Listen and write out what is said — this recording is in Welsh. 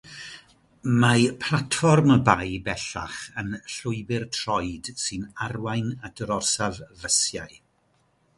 Mae platfform y bae bellach yn llwybr troed sy'n arwain at yr orsaf fysiau.